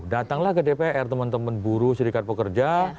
datanglah ke dpr teman teman buruh serikat pekerja